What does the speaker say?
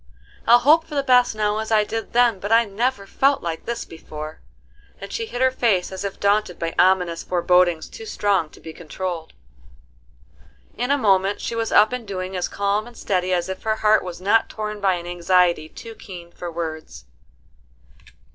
I'll hope for the best now as I did then, but I never felt like this before," and she hid her face as if daunted by ominous forebodings too strong to be controlled. In a moment she was up and doing as calm and steady as if her heart was not torn by an anxiety too keen for words.